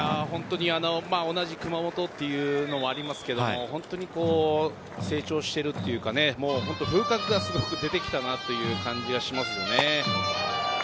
本当に同じ熊本というのもありますけど本当に成長しているというか風格がすごく出てきたなという感じがしますね。